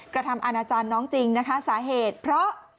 กระทำอาณาจารย์น้องจริงนะคะสาเหตุเพราะ